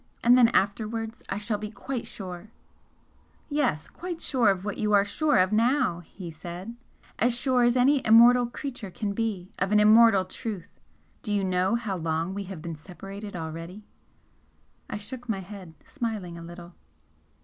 And then afterwards I shall be quite sure " "Yes quite sure of what you are sure of now!" he said "As sure as any immortal creature can be of an immortal truth! Do you know how long we have been separated already?" I shook my head, smiling a little.